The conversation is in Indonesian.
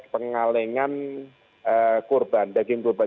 pengalengan daging korban